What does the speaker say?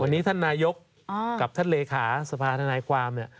วันนี้ท่านนายกกับท่านเลขาสภาธนายความเนี่ย